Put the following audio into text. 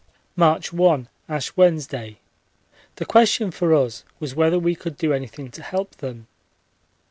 March 1. Ash Wednesday. The question for us was whether we could do anything to help them.